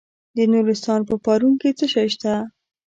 د نورستان په پارون کې څه شی شته؟